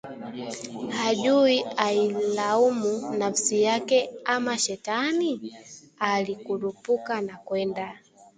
Hajui ailaumu nafsi yake ama shetani? Alikurupuka na kwenda